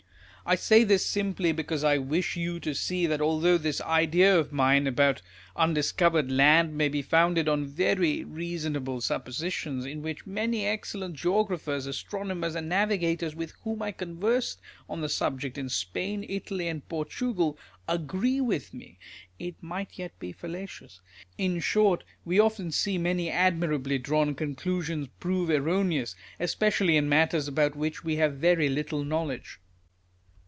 I say this simply because I wish you to see that although this idea of mine about undiscovered land may be founded on very reasonable suppositions, in which many excellent geographers, astronomers, and navigators, with whom I conversed on the subject in Spain, Italy, and Portugal, agree with me, it might yet be fallacious. In short, we often see many admirably drawn conclusions prove erroneous, especially in matters about which we have very little knowledge.